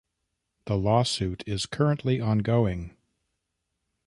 The lawsuit is currently ongoing.